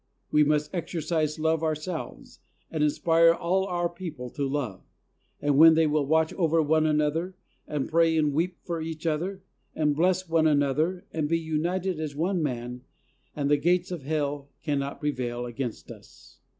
We must exercise love ourselves, and inspire all our people to love, and then they will watch over one another, and pray and weep for each other, and bless one another, and be united as one man, and the gates of Hell cannot prevail against us.